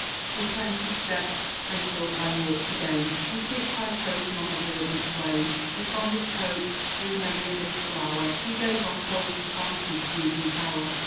With pensive steps I sought thy walks again, And kissed thy token on the verdant plain; With fondest hope, through many a blissful hour, We gave our souls to Fancy's pleasing power.